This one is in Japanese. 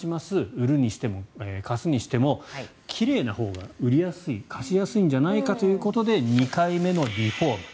売るにしても貸すにしても奇麗なほうが売りやすい貸しやすいんじゃないかということで２回目のリフォーム。